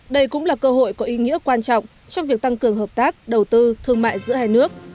đây cũng là cơ hội có ý nghĩa quan trọng trong việc tăng cường hợp tác đầu tư thương mại giữa hai nước